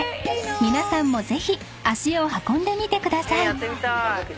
［皆さんもぜひ足を運んでみてください］